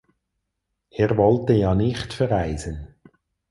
Er wollte ja nicht verreisen.